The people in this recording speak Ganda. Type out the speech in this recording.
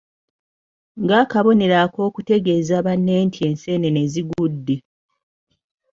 Ng'akabonero ak'okutegeeza banne nti enseenene zigudde.